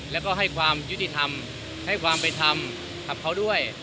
แล้วก็ให้ความยุติธรรมให้ความเป็นธรรมกับเขาด้วย